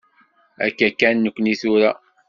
Akka kan nekni tura.